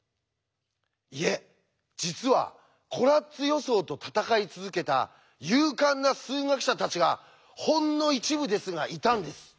いえ実はコラッツ予想と闘い続けた勇敢な数学者たちがほんの一部ですがいたんです。